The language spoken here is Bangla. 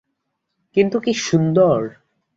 কিন্তু কী সুন্দর!